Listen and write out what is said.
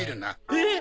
えっ？